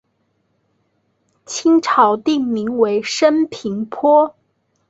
清朝定名为升平坡。